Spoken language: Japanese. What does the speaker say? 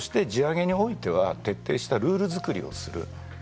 そして、地上げにおいては徹底したルール作りをする。